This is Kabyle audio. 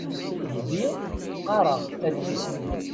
Bdiɣ qqaṛeɣ adlis-nni.